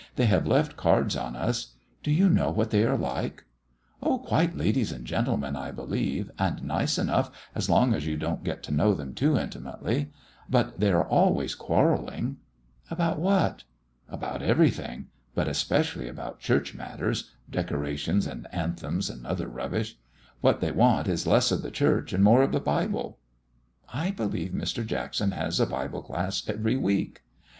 "They have left cards on us. Do you know what they are like?" "Quite ladies and gentlemen, I believe, and nice enough as long as you don't get to know them too intimately; but they are always quarrelling." "About what?" "About everything; but especially about church matters decorations and anthems and other rubbish. What they want is less of the church and more of the Bible." "I believe Mr. Jackson has a Bible class every week."